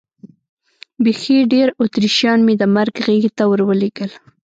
بیخي ډېر اتریشیان مې د مرګ غېږې ته ور ولېږل.